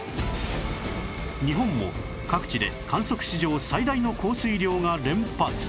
日本も各地で観測史上最大の降水量が連発